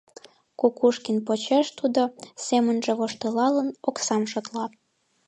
Кукушкин почеш тудо, семынже воштылалын, оксам шотла.